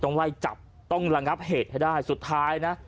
ต้องไล่จับต้องระงับเหตุให้ได้สุดท้ายนะ